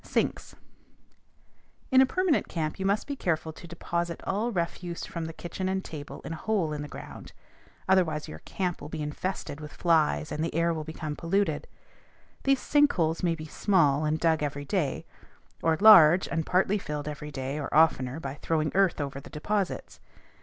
SINKS. In a permanent camp you must be careful to deposit all refuse from the kitchen and table in a hole in the ground: otherwise your camp will be infested with flies, and the air will become polluted. These sink holes may be small, and dug every day; or large, and partly filled every day or oftener by throwing earth over the deposits.